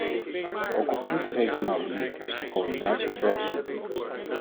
Ook op interregionaal gebied is de coördinatie ver te zoeken.